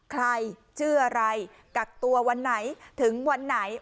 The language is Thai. ใครชื่ออะไรกักตัววันไหนถึงวันไหน